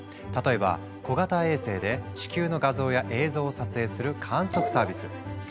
例えば小型衛星で地球の画像や映像を撮影する観測サービス。